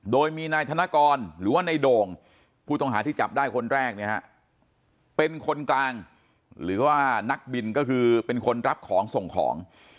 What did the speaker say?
โดยมีนายธนกรหรือว่าในโด่งผู้ต้องหาที่จับได้คนแรกเนี่ยฮะเป็นคนกลางหรือว่านักบินก็คือเป็นคนรับของส่งของ